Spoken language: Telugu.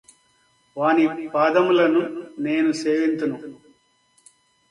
వాని పాదములను నేను సేవింతును